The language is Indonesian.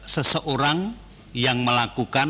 seseorang yang melakukan